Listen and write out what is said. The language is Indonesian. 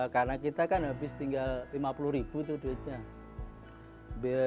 karena kita kan habis tinggal rp lima puluh itu duitnya